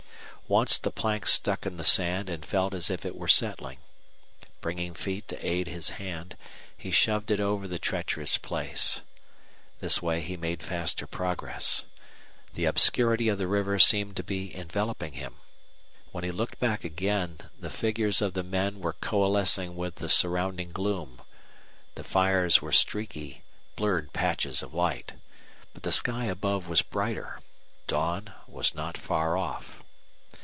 Once the plank stuck in the sand and felt as if it were settling. Bringing feet to aid his hand, he shoved it over the treacherous place. This way he made faster progress. The obscurity of the river seemed to be enveloping him. When he looked back again the figures of the men were coalescing with the surrounding gloom, the fires were streaky, blurred patches of light. But the sky above was brighter. Dawn was not far off.